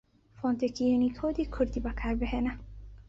فۆنتێکی یوونیکۆدی کوردی بەکاربهێنە